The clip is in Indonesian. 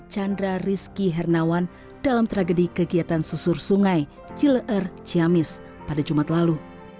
chandra rizky hernawan dalam tragedi kegiatan susur sungai cileer ciamis pada jumat lalu